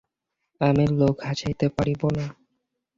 আমি লোক হাসাইতে পারিব না।